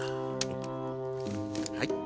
はい。